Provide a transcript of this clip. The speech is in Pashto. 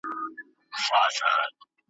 له سهاره په ژړا پیل کوو ورځي ,